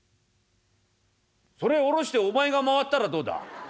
「それ下ろしてお前が回ったらどうだ？」。